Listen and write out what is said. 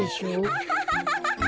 アハハハハハ！